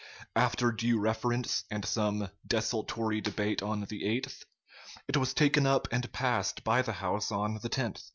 After due reference, and some desultory debate on the 8th, it was taken up and passed by the House on the 10th.